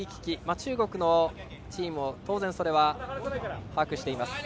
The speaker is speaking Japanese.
中国のチームも当然それは把握しています。